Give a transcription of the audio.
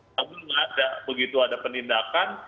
namun tidak ada begitu ada penindakan